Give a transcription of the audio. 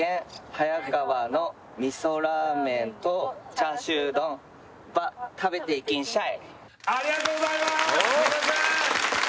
「はや川の味噌ラーメンと」「チャーシュー丼ば食べていきんしゃい！」